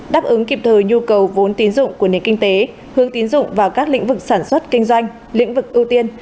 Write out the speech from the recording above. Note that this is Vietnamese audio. đáp ứng kịp thời nhu cầu vốn tín dụng của nền kinh tế hướng tín dụng vào các lĩnh vực sản xuất kinh doanh lĩnh vực ưu tiên